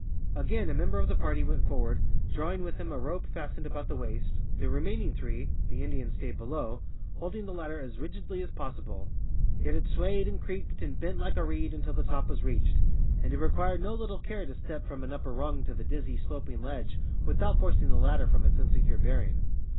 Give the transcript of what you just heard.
Again a member of the party went forward, drawing with him a rope fastened about the waist, the remaining three THE ENCHANTED MESA 279 (the Indians stayed below) holding the ladder as rigidly as pos sible ; yet it swayed and creaked and bent like a reed until the top was reached, and it required no little care to step from an upper rung to the dizzy sloping ledge without forcing the ladder from its insecure bearing.